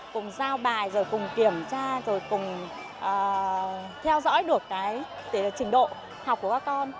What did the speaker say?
cùng giao bài rồi cùng kiểm tra rồi cùng theo dõi được cái trình độ học của các con